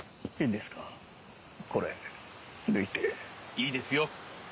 いいですよ。